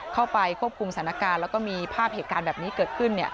เข้าไปควบคุมสถานการณ์แล้วก็มีภาพเหตุการณ์แบบนี้เกิดขึ้น